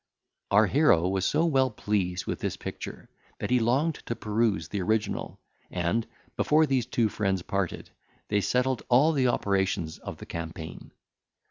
Our hero was so well pleased with this picture, that he longed to peruse the original, and, before these two friends parted, they settled all the operations of the campaign.